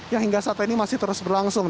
yang hingga saat ini masih terus berlangsung